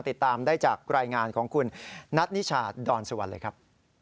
ติดตามได้จากรายงานของคุณนัทนิชาดอนสุวรรณเลยครับ